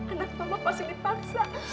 anak mama pasti dipaksa